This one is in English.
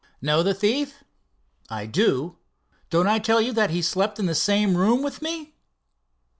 "Know the thief?" "I do. Don't I tell you that he slept in the same room with me?"